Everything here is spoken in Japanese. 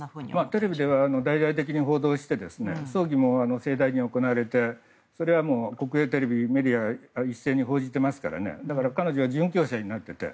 テレビでは大々的に報道して葬儀も盛大に行われてそれは、国営テレビやメディアが一斉に報じていますから彼女が殉教者になっていて。